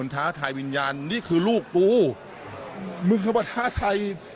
นี่ค่ะ